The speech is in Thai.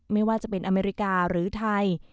ไม่ว่าจะเป็นอเมริกาหรือไทย